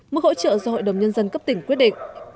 mức hỗ trợ do hội đồng nhân dân cấp tỉnh quyết định